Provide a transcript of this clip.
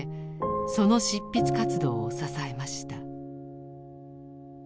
その執筆活動を支えました。